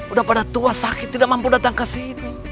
udah pada tua sakit tidak mampu datang ke sini